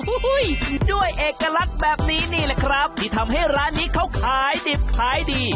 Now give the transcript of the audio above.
ด้วยเอกลักษณ์แบบนี้นี่แหละครับที่ทำให้ร้านนี้เขาขายดิบขายดี